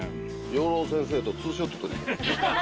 養老先生とツーショット撮り行く。